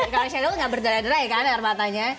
karena cheryl gak berderai derai kan air matanya